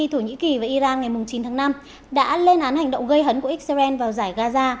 thổ nhĩ kỳ và iran ngày chín tháng năm đã lên án hành động gây hấn của israel vào giải gaza